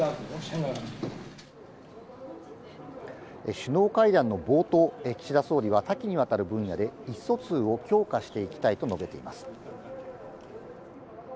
首脳会談の冒頭、岸田総理は多岐にわたる分野で、意思疎通を強化していきたいと述べています。